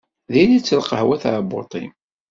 Diri-tt lqahwa i tɛebbuṭ-im.